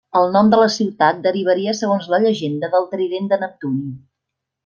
El nom de la ciutat derivaria segons la llegenda del trident de Neptuni.